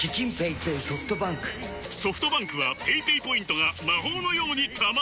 ソフトバンクはペイペイポイントが魔法のように貯まる！